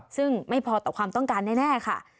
ซึ่งไม่พอต่อความต้องการแน่ค่ะ